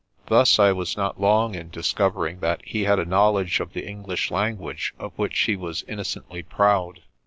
Thus I was not long in discovering that he had a knowledge of the English language of which he was innocently proud.